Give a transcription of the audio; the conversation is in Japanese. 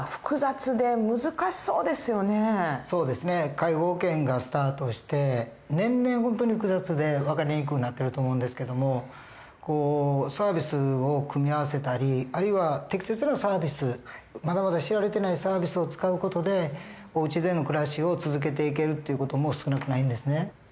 介護保険がスタートして年々本当に複雑で分かりにくうなってると思うんですけどもサービスを組み合わせたりあるいは適切なサービスまだまだ知られてないサービスを使う事でおうちでの暮らしを続けていけるっていう事も少なくないんですね。